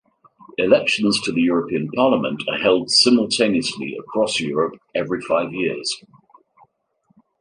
Elections to the European Parliament are held simultaneously across Europe every five years.